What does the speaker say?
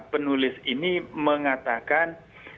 penulis ini mengatakan